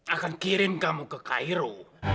akan kirim kamu ke cairo